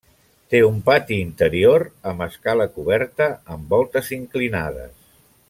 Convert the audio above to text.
Té un pati interior amb escala coberta amb voltes inclinades.